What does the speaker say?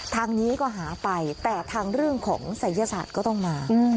ทางนี้ก็หาไปแต่ทางเรื่องของศัยศาสตร์ก็ต้องมา